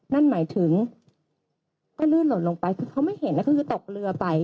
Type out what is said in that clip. นั่นหมายถึงก็ลื่นหล่นลงไปคือเขาไม่เห็นแล้วก็คือตกเรือไป